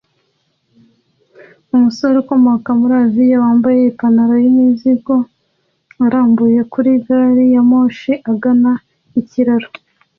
Umusore ukomoka muri Aziya wambaye ipantaro yimizigo arambuye kuri gari ya moshi agana ikiraro